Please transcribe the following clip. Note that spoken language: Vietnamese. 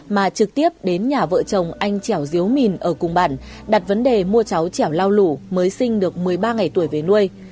mà trực tiếp đến nhà vợ chồng anh trẻo diếu mìn ở cùng bản đặt vấn đề mua cháu trẻo lao lũ mới sinh được một mươi ba ngày tuổi về nuôi